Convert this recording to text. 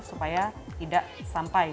supaya tidak sampai